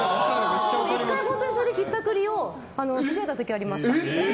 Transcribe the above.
１回、本当にそれでひったくりを防いだことありました。